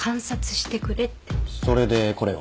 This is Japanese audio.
それでこれを？